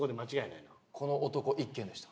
この男１件でした。